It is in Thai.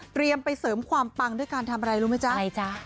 เตรียมไปเสริมความปังด้วยการทำอะไรรู้ไหมจ๊ะ